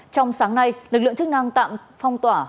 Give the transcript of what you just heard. trong sáng nay lực lượng chức năng tạm phong tỏa